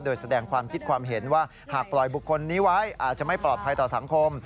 โดยแสดงความคิดความเห็นว่าหากปล่อยบุคคลนี้ไว้อาจจะไม่ปลอดภัยต่อสังคม